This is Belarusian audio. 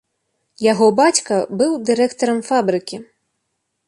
Яго бацька быў дырэктарам фабрыкі.